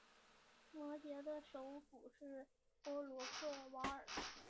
摩羯的首府是波罗克瓦尼。